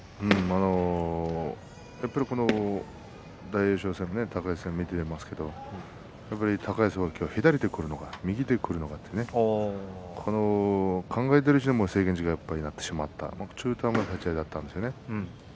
やっぱり大栄翔戦も高安戦も見ていますけれど高安は左で来るのか右でくるのか考えているうちに制限時間いっぱいになってしまって中途半端な立ち合いだったんですね。